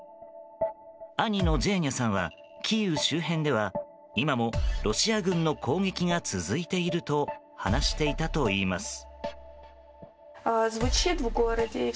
兄のジェーニャさんはキーウ周辺では今もロシア軍の攻撃が続いていると話していたといいます。